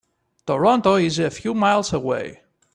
Toronto is a few miles away.